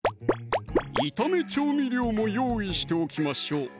炒め調味料も用意しておきましょう